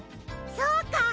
そうか。